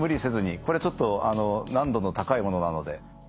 これちょっと難度の高いものなので。